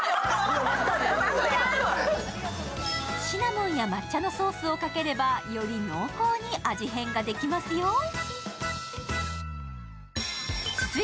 シナモンや抹茶のソースをかければより濃厚に味変ができますよ。